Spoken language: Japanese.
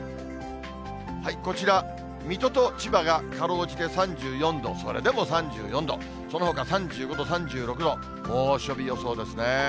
こちら、水戸と千葉がかろうじて３４度、それでも３４度、そのほか３５度、３６度、猛暑日予想ですね。